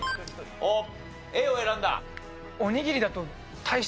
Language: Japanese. おっＡを選んだ。